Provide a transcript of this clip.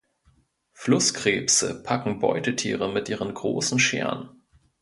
Flusskrebse packen Beutetiere mit ihren großen Scheren.